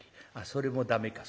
「それも駄目か。